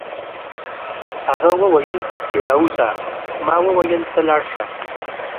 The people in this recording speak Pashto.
هغه وویل چې راوځه او ما وویل ته لاړ شه